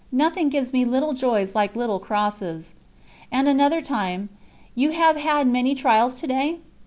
Nothing gives me 'little joys' like 'little crosses.'" And another time: "You have had many trials to day?"